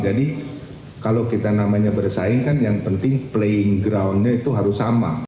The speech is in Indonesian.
jadi kalau kita namanya bersaing kan yang penting playing groundnya itu harus sama